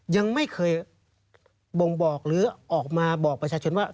ยังไม่เคยบ่งบอกหรือออกมาบอกประชาชนว่า